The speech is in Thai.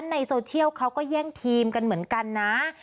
ในโซเชียลเขาก็แย่งทีมกันเหมือนกันนะ